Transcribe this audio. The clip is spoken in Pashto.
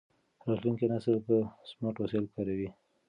راتلونکی نسل به سمارټ وسایل کاروي.